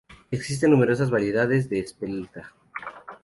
Existen numerosas variedades de espelta.